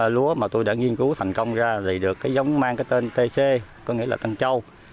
lúa mà tôi đã nghiên cứu thành công ra vì được cái giống mang cái tên tc có nghĩa là tân châu